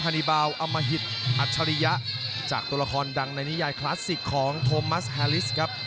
นิบาลอมหิตอัจฉริยะจากตัวละครดังในนิยายคลาสสิกของโทมัสแฮลิสครับ